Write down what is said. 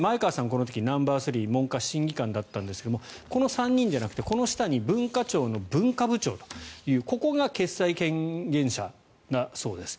この時、ナンバースリー文科審議官だったんですがこの３人じゃなくてこの下に文化庁の文化部長というここが決裁権限者だそうです。